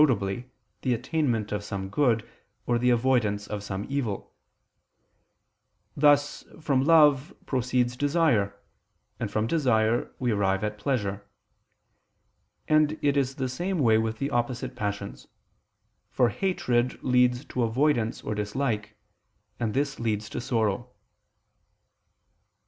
the attainment of some good or the avoidance of some evil: thus from love proceeds desire, and from desire we arrive at pleasure; and it is the same with the opposite passions, for hatred leads to avoidance or dislike, and this leads to sorrow.